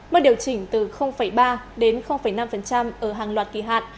mất điều chỉnh từ ba đến năm ở hàng loạt kỳ hạn